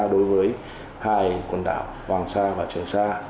đối với hai quần đảo hoàng sa và trường sa